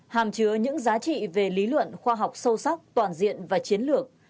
hàm chứa những giá trị về lý luận khoa học sâu sắc toàn diện và chiến lược